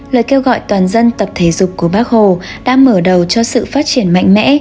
lời kêu gọi toàn dân tập thể dục của bác hồ đã mở đầu cho sự phát triển mạnh mẽ